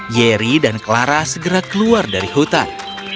yeri dan clara segera keluar dari hutan